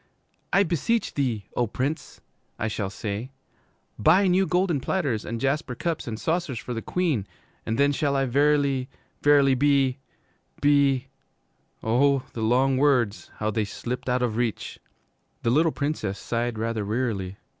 '"I beseech thee, O Prince," I shall say, "buy new golden platters and jasper cups and saucers for the Queen, and then shall I verily, verily be be "' Oh, the long words how they slipped out of reach! The little Princess sighed rather wearily.